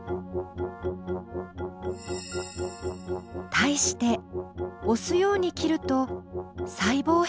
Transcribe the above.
対して押すように切ると細胞壁が壊れています。